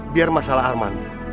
biar masalah arman